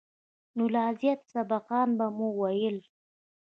نو لا زيات سبقان به مې ويل.